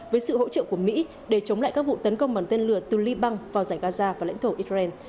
với sự hỗ trợ của mỹ để chống lại các vụ tấn công bằng tên lửa từ liban vào giải gaza và lãnh thổ israel